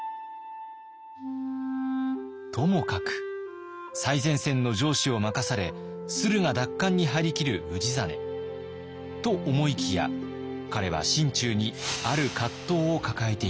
ともかく最前線の城主を任され駿河奪還に張り切る氏真。と思いきや彼は心中にある藤を抱えていたようです。